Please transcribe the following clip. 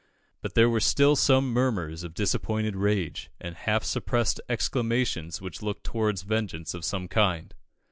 But there were still some murmurs of disappointed rage, and half suppressed exclamations which looked towards vengeance of some kind.